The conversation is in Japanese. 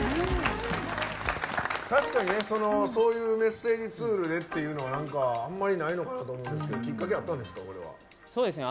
確かにねそのそういうメッセージツールでっていうのはあんまりないのかなと思うんですけどきっかけあったんですか？